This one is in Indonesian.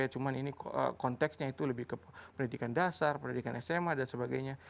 cuma ini konteksnya itu lebih ke pendidikan dasar pendidikan sma dan sebagainya